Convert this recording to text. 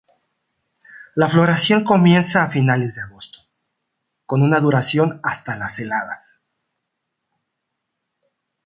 La floración comienza a finales de agosto, con una duración hasta las heladas.